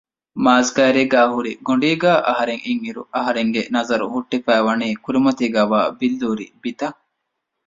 މާޒްގެ ކައިރީގައި ހުރި ގޮނޑީގައި އަހަރެން އިންއިރު އަހަރެންގެ ނަޒަރު ހުއްޓިފައިވަނީ ކުރިމަތީގައިވާ ބިއްލޫރި ބިތަށް